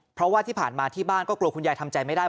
เพราะว่าที่ผ่านมาที่บ้านก็กลัวคุณยายทำใจไม่ได้